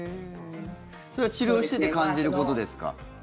それは治療してて感じることですか？